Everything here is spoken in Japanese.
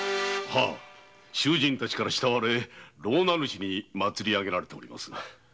囚人たちから慕われ牢名主にまつりあげられております。